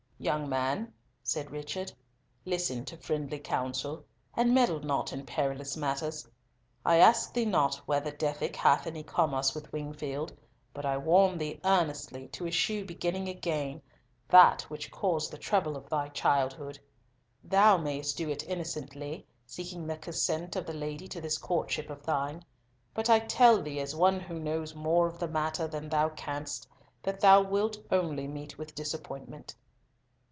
"Young man," said Richard, "listen to friendly counsel, and meddle not in perilous matters. I ask thee not whether Dethick hath any commerce with Wingfield; but I warn thee earnestly to eschew beginning again that which caused the trouble of thy childhood. Thou mayst do it innocently, seeking the consent of the lady to this courtship of thine; but I tell thee, as one who knows more of the matter than thou canst, that thou wilt only meet with disappointment."